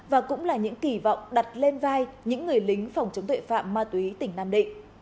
và cũng là những kỳ vọng đặt lên vai những người lính phòng chống tuệ phạm ma túy tỉnh nam định